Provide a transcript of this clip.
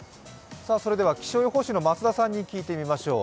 それでは気象予報士の増田さんに聞いてみましょう。